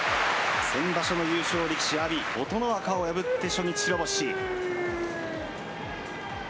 先場所の優勝力士、阿炎、琴ノ若を破って、初日白星。